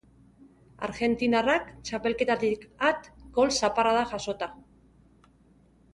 Argentinarrak, txapelketatik at gol-zaparrada jasota.